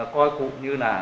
coi cụ như là